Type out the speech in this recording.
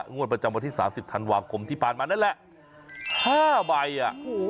งวดประจำวันที่๓๐ธันวาคมที่ผ่านมานั่นแหละ๕ใบอ่ะโอ้โห